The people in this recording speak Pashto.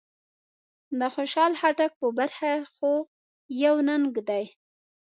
د خوشحال خټک په برخه خو يو ننګ دی.